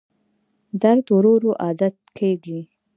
درد ورو ورو عادت کېږي.